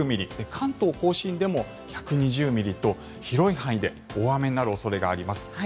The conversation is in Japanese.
関東・甲信でも１２０ミリと広い範囲で大雨になる恐れがあります。